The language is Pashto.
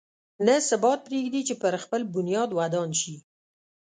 نه ثبات پرېږدي چې پر خپل بنیاد ودان شي.